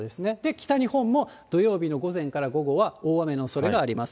北日本も土曜日の午前から午後は大雨のおそれがあります。